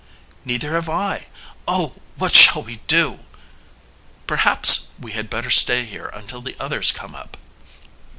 "Neither have I. Oh, what shall we do?" "Perhaps, we had better stay here until the others come up."